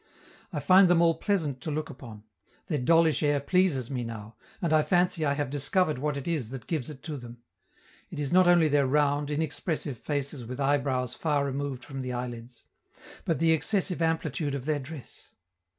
I find them all pleasant to look upon; their dollish air pleases me now, and I fancy I have discovered what it is that gives it to them: it is not only their round, inexpressive faces with eyebrows far removed from the eyelids, but the excessive amplitude of their dress.